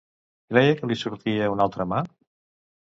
Creia que li sortia una altra mà?